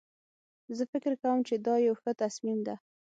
زه فکر کوم چې دا یو ښه تصمیم ده